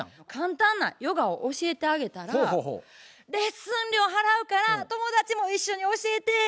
簡単なヨガを教えてあげたら「レッスン料払うから友達も一緒に教えて」